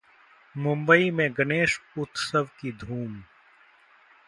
मुंबई में गणेश उत्सव की धूम